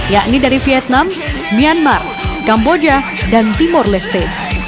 yakni dari vietnam myanmar kamboja dan timur leste